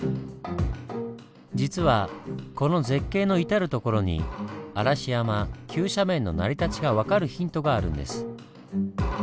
実はこの絶景の至る所に嵐山急斜面の成り立ちが分かるヒントがあるんです。